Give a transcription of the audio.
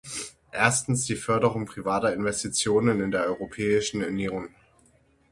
Erstens die Förderung privater Investitionen in der Europäischen Union.